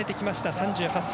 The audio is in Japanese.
３８歳。